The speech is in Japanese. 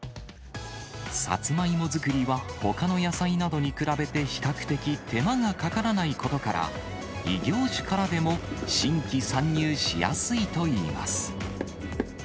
サツマイモ作りは、ほかの野菜などに比べて比較的手間がかからないことから、異業種からでも新規参入しやすいといいます。